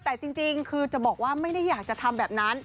แต่จริงคือจะบอกว่าไม่ได้อยากจะทำแบบนั้น